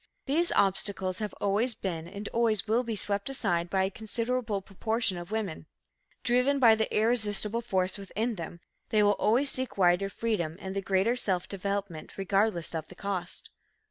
These obstacles have always been and always will be swept aside by a considerable proportion of women. Driven by the irresistible force within them, they will always seek wider freedom and greater self development, regardless of the cost.